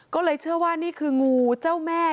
ก็เลยเชื่อว่านี่คืองูเจ้าแม่